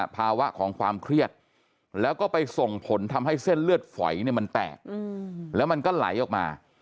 ภาวะของความเครียดแล้วก็ไปส่งผลทำให้เส้นเลือดฝอยมันแตกแล้วมันก็ไหลออกมา